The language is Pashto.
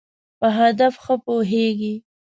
په هدف ښه پوهېږی.